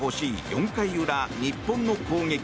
４回裏、日本の攻撃。